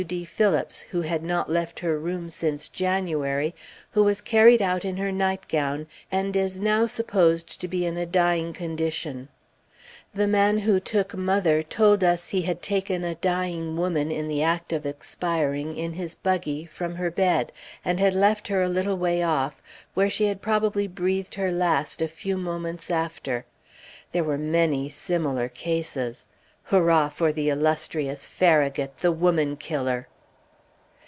D. Phillips who had not left her room since January, who was carried out in her nightgown, and is now supposed to be in a dying condition. The man who took mother told us he had taken a dying woman in the act of expiring in his buggy, from her bed, and had left her a little way off, where she had probably breathed her last a few moments after. There were many similar cases. Hurrah for the illustrious Farragut, the Woman Killer!!!